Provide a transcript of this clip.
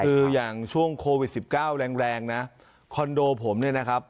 คืออย่างช่วงโควิด๑๙แรงแรงนะคอนโดผมเนี่ยนะครับ